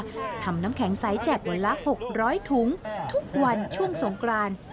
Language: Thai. น้ำเรือทำน้ำแข็งใสแจกหมดละ๖๐๐ถุงทุกวันช่วงสงกราน